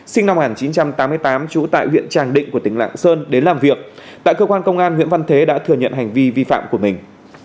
sinh năm một nghìn chín trăm tám mươi tám trú tại huyện tràng định của tỉnh lạng sơn đến làm việc tại cơ quan công an nguyễn văn thế đã thừa nhận hành vi vi phạm của mình